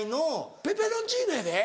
ペペロンチーノやで？